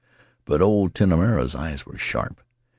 But old Tinomana's eyes were sharp.